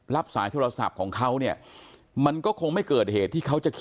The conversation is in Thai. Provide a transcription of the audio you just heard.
รับสายโทรศัพท์ของเขาเนี่ยมันก็คงไม่เกิดเหตุที่เขาจะคิด